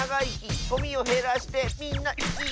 「ゴミをへらしてみんなイキイキ！」